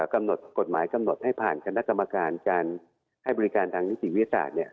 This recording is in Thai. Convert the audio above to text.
กฎหมายกำหนดให้ผ่านคณะกรรมการการให้บริการทางนิสิวิทธิ์วิทธิ์ศาสตร์เนี่ย